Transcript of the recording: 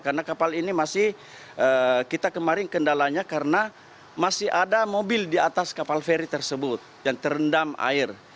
karena kapal ini masih kita kemarin kendalanya karena masih ada mobil di atas kapal feri tersebut yang terendam air